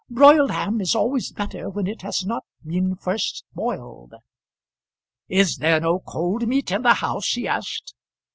"Broiled ham is always better when it has not been first boiled." "Is there no cold meat in the house?" he asked.